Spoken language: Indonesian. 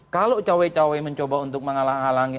kalau cawe cawe mencoba untuk menghalangi